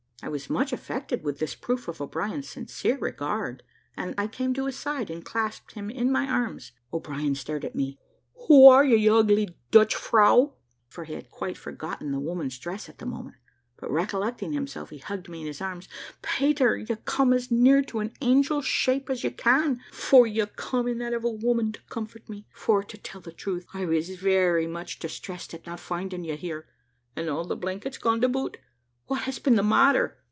I was much affected with this proof of o'brien's sincere regard, and I came to his side, and clasped him in my arms. O'Brien stared at me "Who are you, you ugly Dutch frow?" (for he had quite forgotten the woman's dress at the moment,) but recollecting himself, he hugged me in his arms. "Pater, you come as near to an angel's shape as you can, for you come in that of a woman, to comfort me; for, to tell the truth, I was very much distressed at not finding you here; and all the blankets gone to boot. What has been the matter?"